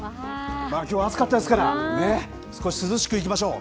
きょうは暑かったですから、少し涼しくいきましょう。